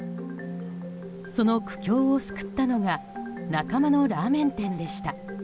その苦境を救ったのが仲間のラーメン店でした。